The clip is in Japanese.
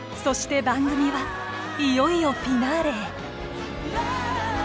そして番組はいよいよフィナーレへ。